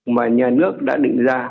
mà nhà nước đã định ra